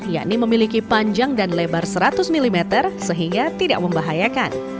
yakni memiliki panjang dan lebar seratus mm sehingga tidak membahayakan